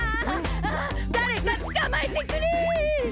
だれかつかまえてくれ！